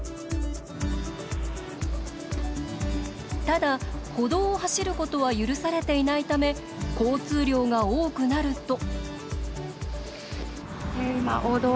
ただ歩道を走ることは許されていないため交通量が多くなると。